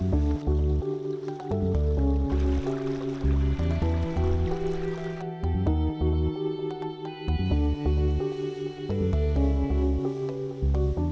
mereka mencari hutan untuk berkembang di hutan